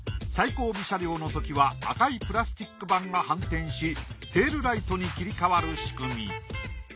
最後尾車両のときは赤いプラスチック板が反転しテールライトに切り替わる仕組み。